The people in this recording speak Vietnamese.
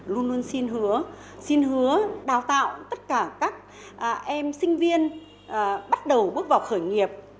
luôn luôn xin hứa xin hứa đào tạo tất cả các em sinh viên bắt đầu bước vào khởi nghiệp